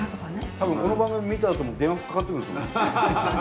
多分この番組見たあとも電話かかってくると思います。